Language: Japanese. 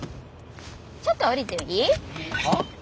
ちょっと降りていい？は？